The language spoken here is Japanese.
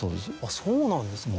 そうなんですか。